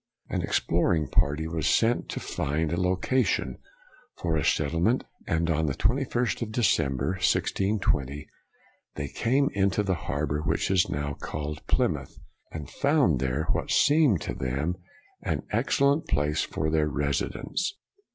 An exploring party was sent to find a location for a settlement, and on the aist of December, 1620, they came into the harbor which is now called Plymouth, and found there what seemed to them an excellent place for their residence.